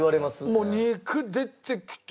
もう肉出てきて。